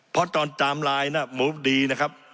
เพราะตอนทำลายน่ะหมูดีนะครับ